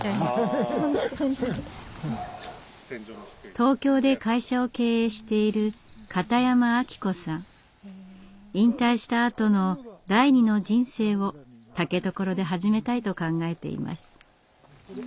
東京で会社を経営している引退したあとの第２の人生を竹所で始めたいと考えています。